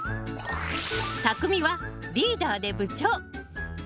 たくみはリーダーで部長。